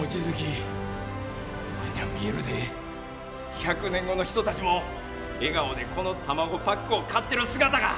１００年後の人たちも笑顔でこの卵パックを買ってる姿が！